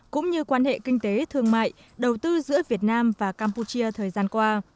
cũng như quan hệ kinh tế thương mại đầu tư giữa việt nam và campuchia thời gian qua